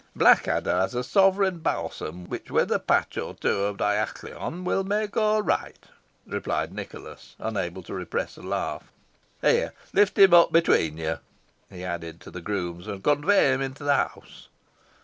"Blackadder has a sovereign balsam, which, with a patch or two of diachylon, will make all right," replied Nicholas, unable to repress a laugh. "Here, lift him up between you," he added to the grooms, "and convey him into the house."